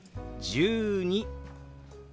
１２。